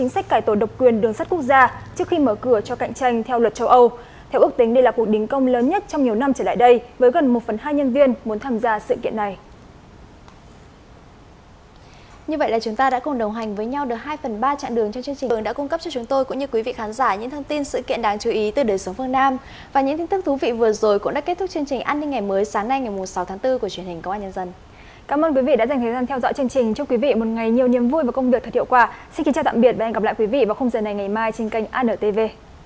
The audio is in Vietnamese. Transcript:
xin kính chào tạm biệt và hẹn gặp lại quý vị vào không gian này ngày mai trên kênh anntv